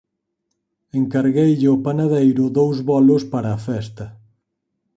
Encargueille ao panadeiro dous bolos para a festa.